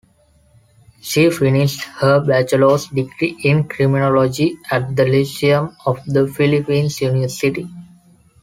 She finished her bachelor's degree in criminology at the Lyceum of the Philippines University.